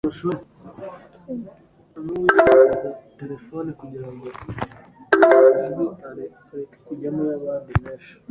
Batteri ntabwo zirimo imiriro ihagije